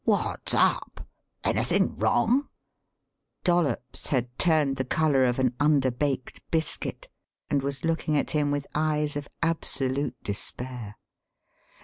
What's up? Anything wrong?" Dollops had turned the colour of an under baked biscuit and was looking at him with eyes of absolute despair.